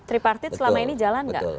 tripartite selama ini jalan gak